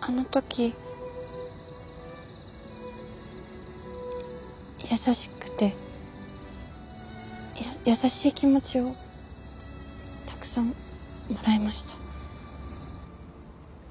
あの時優しくて優しい気持ちをたくさんもらいました。